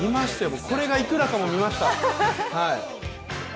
僕これがいくらかも見ました。